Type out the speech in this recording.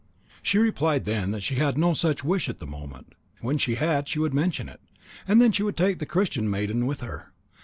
She replied then that she had no such wish at that moment; when she had she would mention it, and then she would take the Christian maiden with her.